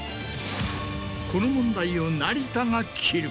この問題を成田が斬る。